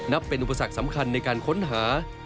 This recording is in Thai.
เป็นอุปสรรคสำคัญในการค้นหา